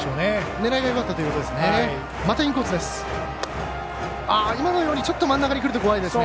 狙いはよかったということですね。